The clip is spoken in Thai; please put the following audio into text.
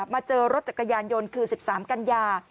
มาเจอรถจากกัญญายนคือ๑๓กัญญา